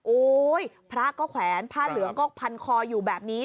พระก็แขวนผ้าเหลืองก็พันคออยู่แบบนี้